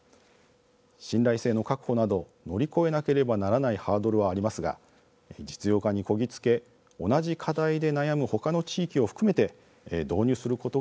信頼性の確保など乗り越えなければならないハードルはありますが実用化にこぎ着け同じ課題で悩む他の地域を含めて導入することが目標です。